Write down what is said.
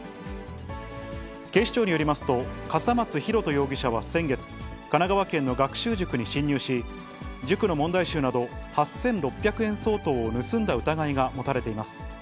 警視庁によりますと、笠松大翔容疑者は先月、神奈川県の学習塾に侵入し、塾の問題集など８６００円相当を盗んだ疑いが持たれています。